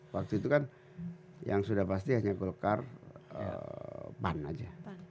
waktu itu kan yang sudah pasti hanya golkar pan aja